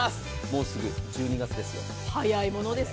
もうすぐ１２月ですよ。